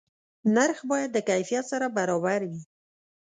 نرخ باید د کیفیت سره برابر وي.